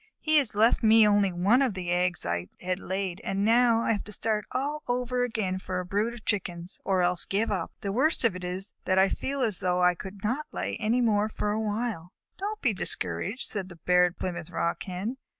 He has left me only one of the eggs I had laid, and now I have to start all over for a brood of Chickens, or else give up. The worst of it is that I feel as though I could not lay any more for a while." "Don't be discouraged," said the Barred Plymouth Rock Hen.